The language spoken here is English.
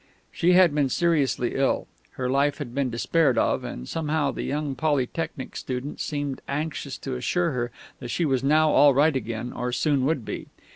She had been seriously ill; her life had been despaired of; and somehow the young Polytechnic student seemed anxious to assure her that she was now all right again, or soon would be.